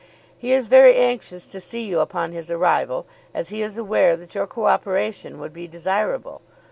He is very anxious to see you upon his arrival, as he is aware that your co operation would be desirable.